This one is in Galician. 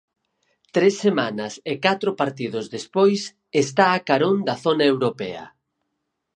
Tres semanas e catro partidos despois, está a carón da zona europea.